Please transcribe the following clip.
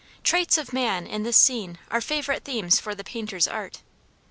Traits of man in this scene are favorite themes for the painter's art.